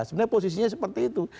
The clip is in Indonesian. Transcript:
sebenarnya posisinya seperti itu